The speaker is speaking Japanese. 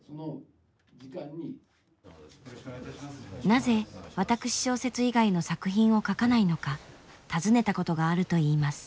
なぜ私小説以外の作品を書かないのか尋ねたことがあるといいます。